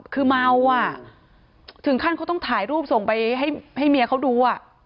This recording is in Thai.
คือเมาอ่ะถึงขั้นเขาต้องถ่ายรูปส่งไปให้เมียเขาดู